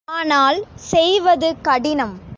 ஆனால் செய்வது கடினம்.